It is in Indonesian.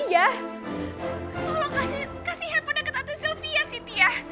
tolong kasih kasih teleponnya ke tante sylvia sintia